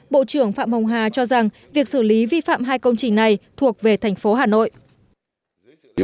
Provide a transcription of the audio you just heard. bộ trưởng phạm hồng hà cho rằng việc xử lý vi phạm hai công trình này thuộc về thành phố hà nội